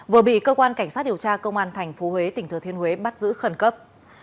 vừa bị cơ quan cảnh sát điều tra công an tp huế tỉnh thừa thiên huế bắt giữ khẩn cấp